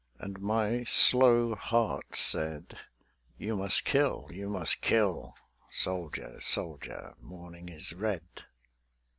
And my slow heart said, "You must kill; you must kill: Soldier, soldier, morning is red."